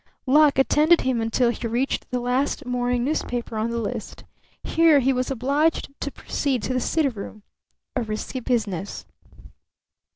Luck attended him until he reached the last morning newspaper on the list. Here he was obliged to proceed to the city room risky business.